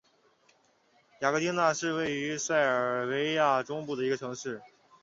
雅戈丁那是位于塞尔维亚中部的一个城市。